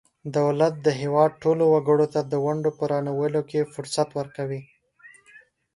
دولت د هیواد ټولو وګړو ته د ونډو په رانیولو کې فرصت ورکوي.